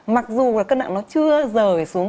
mặc dù là cân nặng nó chưa rời xuống